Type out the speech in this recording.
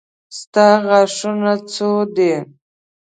ستا غاښونه څو دي.